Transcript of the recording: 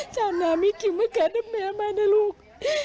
ฉันน่ามีจริงมากับแม่มานะลูก